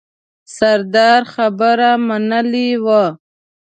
سردار خبره منلې وه.